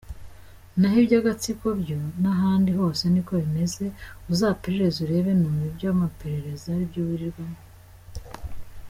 naho iby’agatsiko byo nahandi hose niko bimeze uzaperereze urebe numva ibyamapererza aribyo wirirwamo.